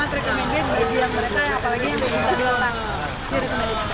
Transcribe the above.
jadi apalagi yang diberi kontak di rekomendasi sekali